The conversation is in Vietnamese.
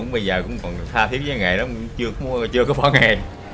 bây giờ cũng còn tha thiết với cái nghề đó chưa có bỏ nghề